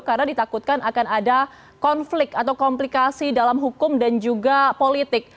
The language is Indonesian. karena ditakutkan akan ada konflik atau komplikasi dalam hukum dan juga politik